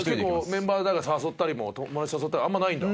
メンバー誰か誘ったりも友達誘ったりあんまりないんだ？